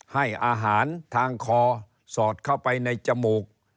ให้อาหารทางคอสอดเข้าไปในจมูก